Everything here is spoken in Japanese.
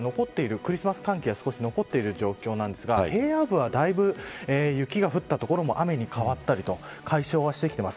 クリスマス寒気が少し残っている状況なんですが平野部はだいぶ、雪が降った所も雨に変わったりと解消はしてきてます。